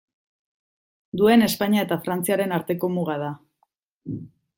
Duen Espainia eta Frantziaren arteko muga da.